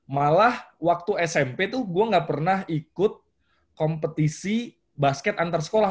malah waktu smp tuh gue gak pernah ikut kompetisi basket antar sekolah